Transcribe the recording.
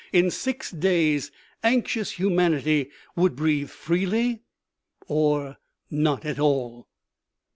In six days anxious humanity would breathe freely or not at all.